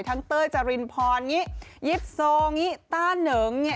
ทั้งเต้ยจรินพรยิปโซต้าเหนิง